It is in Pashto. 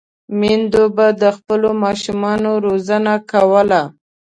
میندو به د خپلو ماشومانو روزنه کوله.